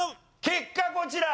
結果こちら。